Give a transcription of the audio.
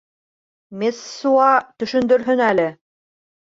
Мессуа төшөндөрһөн әле.